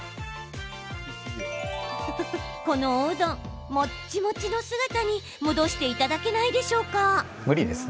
このおうどん、もっちもちの姿に戻していただけないでしょうか？